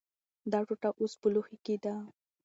دا ټوټه اوس په لوښي کې ده.